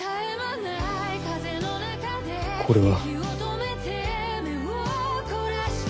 これは。